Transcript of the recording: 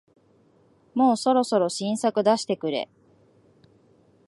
もうそろそろ新作出してくれ